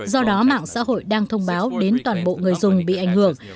do đó mạng xã hội đang thông báo đến toàn bộ người dùng bị ảnh hưởng